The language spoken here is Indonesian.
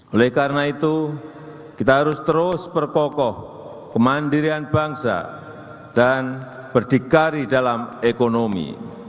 oleh karena itu kita harus terus berkokoh kemandirian bangsa dan berdikari dalam ekonomi